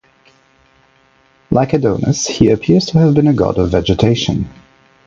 Like Adonis, he appears to have been a god of vegetation.